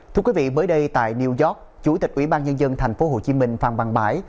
thưa quý vị mới đây tại new york chủ tịch ủy ban nhân dân tp hcm phạm văn bãi